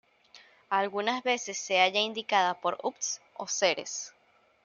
Algunas veces se halla indicada por Ops o Ceres.